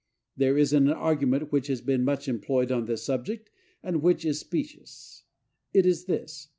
There is an argument which has been much employed on this subject, and which is specious. It is this.